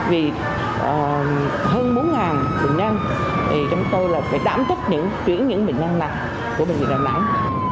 vì hơn bốn bệnh nhân thì chúng tôi là phải đảm thích chuyển những bệnh nhân này của bệnh viện đàn nạn